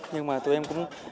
nhưng mà tụi em cũng